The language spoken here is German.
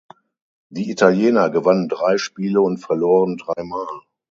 Die Italiener gewannen drei Spiele und verloren dreimal.